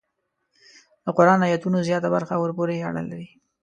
د قران ایتونو زیاته برخه ورپورې اړه لري.